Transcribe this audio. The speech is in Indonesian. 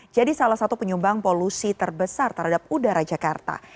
jadi salah satu penyumbang polusi terbesar terhadap udara jakarta